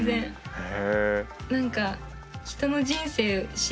へえ。